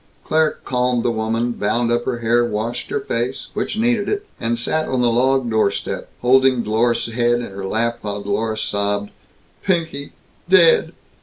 Claire calmed the woman; bound up her hair; washed her face which needed it; and sat on the log doorstep, holding Dlorus's head in her lap, while Dlorus sobbed, "Pinky dead!